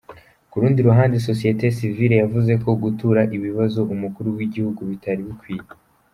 Ku rundi ruhande, Sosiyete sivile yavuze ko gutura ibibazo umukuru w’igihugu bitari bikwiye.